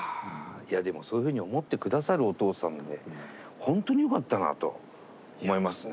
いやでもそういうふうに思って下さるお父さんでほんとによかったなと思いますね。